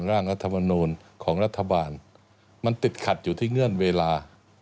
ร่างรัฐมนูลของรัฐบาลมันติดขัดอยู่ที่เงื่อนเวลา